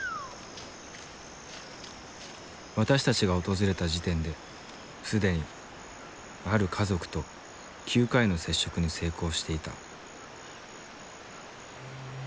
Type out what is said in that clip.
私たちが訪れた時点で既にある家族と９回の接触に成功していた。